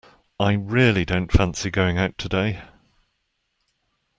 I really don't fancy going out today.